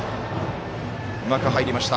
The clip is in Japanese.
うまく入りました。